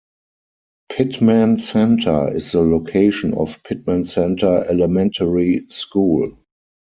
Pittman Center is the location of Pittman Center Elementary School.